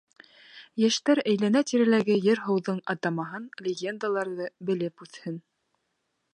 Йәштәр әйләнә-тирәләге ер-һыуҙың атамаһын, легендаларҙы белеп үҫһен.